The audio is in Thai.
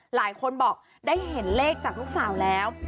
หลายคนบอกได้เห็นเลขจากลูกสาวแล้ว